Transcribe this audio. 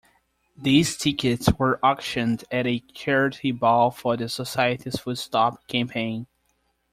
These tickets were auctioned at a charity ball for the society's "Full Stop" campaign.